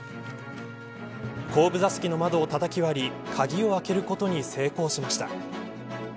後部座席の窓をたたき割り鍵を開けることに成功しました。